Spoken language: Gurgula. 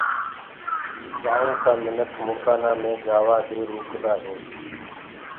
گآئونٚ ڪآ منک مڪآنآ مي جآوآ دي روڪدآ هينٚ۔